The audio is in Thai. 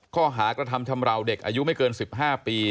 ข้อหากระทำชำราวเด็กอายุไม่เกิน๑๕ปี